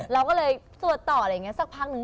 เราก็เลยสวดต่ออะไรอย่างนี้สักพักนึง